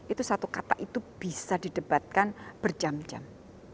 itu satu kata itu bisa didebatkan berjam jam